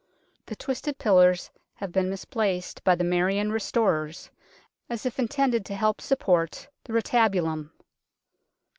The twisted pillars have been mis placed by the Marian restorers as if intended to help support the retabulum.